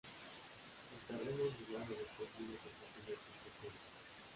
El terreno ondulado de colinas está cubierto por jungla.